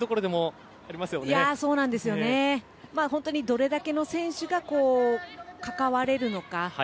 どれだけの選手が関われるのか。